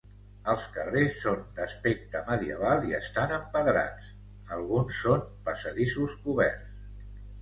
Els carrers són d'aspecte medieval i estan empedrats, alguns són passadissos coberts.